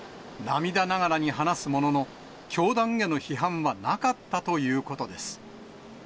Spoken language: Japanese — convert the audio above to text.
涙ながらに話すものの、教団への批判はなかったということです。